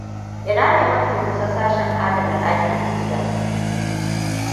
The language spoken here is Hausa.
Ina ne mafi kusa sashen adana ɗakin ajiya?